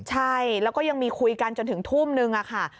ใช่แล้วก็ยังมีคุยกันจนถึงทุ่มนึงค่ะ